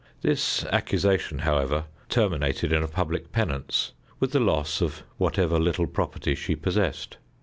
This accusation, however, terminated in a public penance, with the loss of whatever little property she possessed.